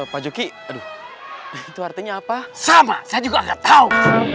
pak joki aduh itu artinya apa sama saya juga nggak tahu